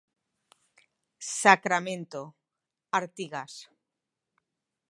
Sacramento, Artigas.